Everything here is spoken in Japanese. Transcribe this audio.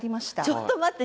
ちょっと待って。